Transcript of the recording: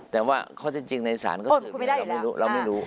แต่ว่าข้อจริงในศาลก็คือเราไม่รู้